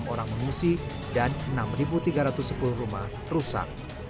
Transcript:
tujuh dua ratus dua puluh enam orang mengusi dan enam tiga ratus sepuluh rumah rusak